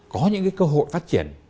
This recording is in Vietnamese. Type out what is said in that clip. có những cái cơ hội phát triển